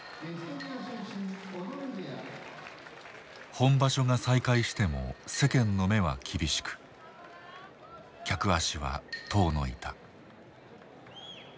本場所が再開しても世間の目は厳しく客足は遠のいた。